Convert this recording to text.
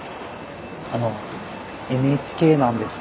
あのＮＨＫなんですけど。